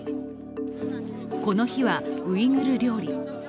この日は、ウイグル料理。